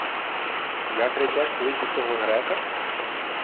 — Як, речеш, кличуть того грека?